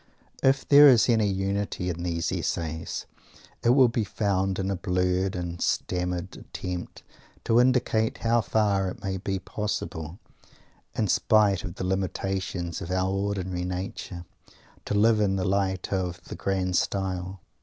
If there is any unity in these essays, it will be found in a blurred and stammered attempt to indicate how far it may be possible, in spite of the limitations of our ordinary nature, to live in the light of the "grand style."